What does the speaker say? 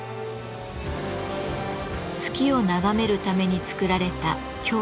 月を眺めるために造られた京都・桂離宮。